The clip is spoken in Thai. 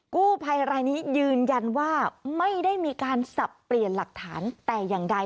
กู้ภัยรายนี้ยืนยันว่าไม่ได้มีการสับเปลี่ยนหลักฐานแต่อย่างใด